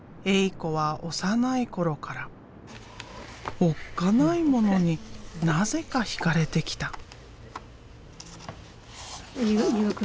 エイ子は幼い頃からおっかないものになぜか惹かれてきた。